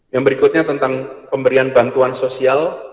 yang berikutnya tentang pemberian bantuan sosial